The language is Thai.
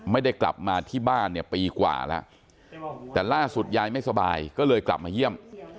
ไม่ได้กลับมาที่บ้านเนี่ยปีกว่าแล้วแต่ล่าสุดยายไม่สบายก็เลยกลับมาเยี่ยม